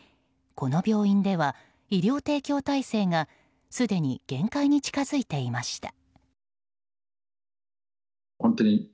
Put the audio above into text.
この病院では、医療提供体制がすでに限界に近づいていました。